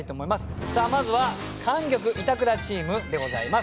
さあまずは莟玉・板倉チームでございます。